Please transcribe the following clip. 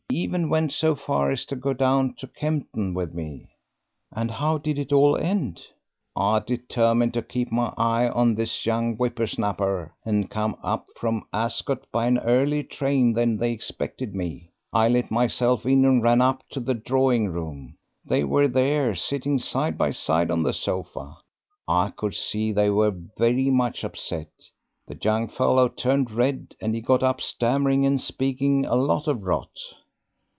He even went so far as go down to Kempton with me." "And how did it all end?" "I determined to keep my eye on this young whipper snapper, and come up from Ascot by an earlier train than they expected me. I let myself in and ran up to the drawing room. They were there sitting side by side on the sofa. I could see they were very much upset. The young fellow turned red, and he got up, stammering, and speaking a lot of rot.